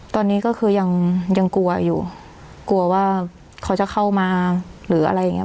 ตอนนี้ก็คือยังยังกลัวอยู่กลัวว่าเขาจะเข้ามาหรืออะไรอย่างเงี้